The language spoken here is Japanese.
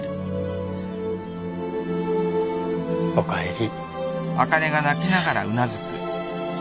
おかえり。